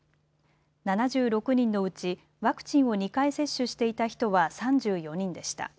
７６人のうちワクチンを２回接種していた人は３４人でした。